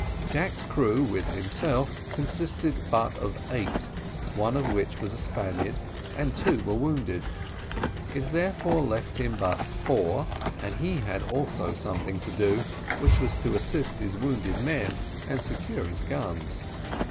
Jack's crew, with himself, consisted but of eight, one of whom was a Spaniard, and two were wounded. It therefore left him but four, and he had also some thing to do, which was to assist his wounded men, and secure his guns.